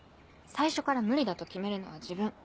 最初から無理だと決めるのは自分。